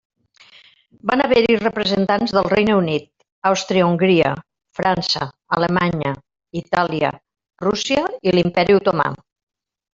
Van haver-hi representants del Regne Unit, Àustria-Hongria, França, Alemanya, Itàlia, Rússia i l'imperi Otomà.